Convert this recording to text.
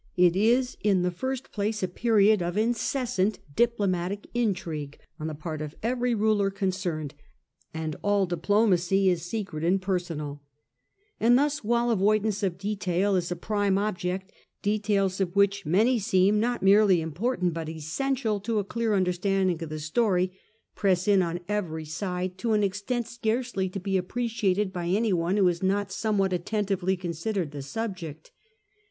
It is in the first place a period of incessant diplomatic intrigue, on the part of every ruler concerned ; and all diplomacy is secret and personal And thus, while avoidance of detail is a prime object, details of which many seem, not merely important, but essential to a clear understanding of the story, press in on every side to an extent scarcely to be appreciated by anyone who has not somewhat attentively considered the subject.